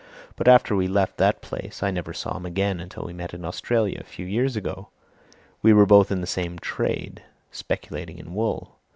But after we left that place, I never saw him again until we met in Australia a few years ago. We were both in the same trade speculating in wool.